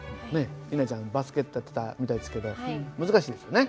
里奈ちゃんバスケットやってたみたいですけど難しいですよね。